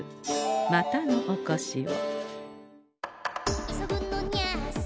またのおこしを。